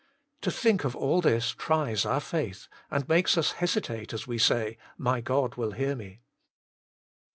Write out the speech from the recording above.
To think of all this tries our faith, and makes us hesitate as we say, " My God will hear me."